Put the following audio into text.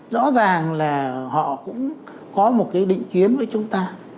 rõ ràng là họ cũng có một cái định kiến với chúng ta